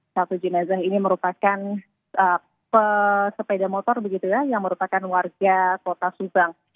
satu jenazah ini merupakan pesepeda motor begitu ya yang merupakan warga kota subang